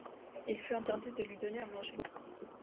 Il fut interdit de lui donner à manger.